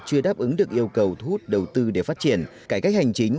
chưa đáp ứng được yêu cầu thu hút đầu tư để phát triển cải cách hành chính